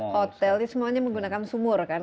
hotel itu semuanya menggunakan sumur kan